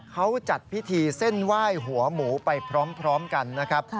เขาจัดพิธีเส้นไหว้หัวหมูไปพร้อมกันนะครับ